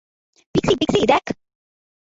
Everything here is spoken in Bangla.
পিক্সি, পিক্সি, দেখ!